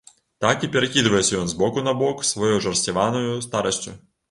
Так і перакідаецца ён з боку на бок сваёй жарсцвянаю старасцю.